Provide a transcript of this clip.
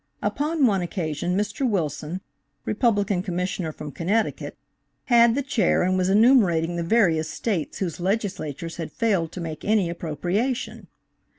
Upon one occasion Mr. Wilson, Republican Commissioner from Connecticut, had the chair and was enumerating the various States whose Legislatures had failed to make any appropriation.